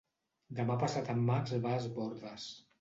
Demà passat en Max va a Es Bòrdes.